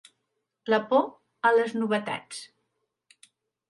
La por a les novetats.